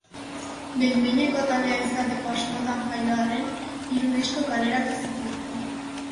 Behin-behineko taldea izateko asmotan jaio arren, hiru diskoa kaleratu zituzten.